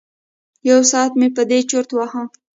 یو ساعت مې په دې چرت وهه.